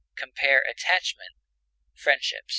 Compare ATTACHMENT; FRIENDSHIP.